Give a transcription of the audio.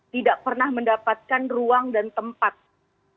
tidak pernah mendapatkan ruang dan tempat untuk berbicara